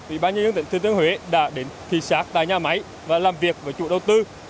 ubnd tỉnh thừa thiên huế đã đến thị xác tại nhà máy và làm việc với chủ đầu tư